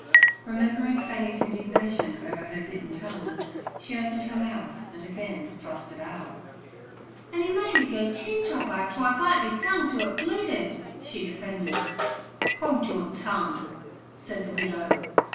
Remembering Fanny's indignation over her bitten tongue, she opened her mouth and again thrust it out. 'An' 'e made me go chin chopper to I bite me tongue to it bleeded' she defended. 'Hold your tongue!' said the widow.